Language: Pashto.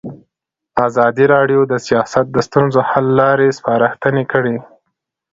ازادي راډیو د سیاست د ستونزو حل لارې سپارښتنې کړي.